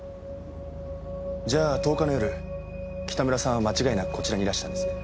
じゃあ１０日の夜北村さんは間違いなくこちらにいらしたんですね？